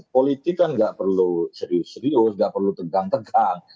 politik kan nggak perlu serius serius nggak perlu tegang tegang